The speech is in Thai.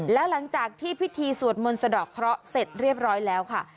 แล้วหลังจากที่พิธีสวดมนต์สะดอกเคราะห์เสร็จเรียบร้อยแล้วค่ะ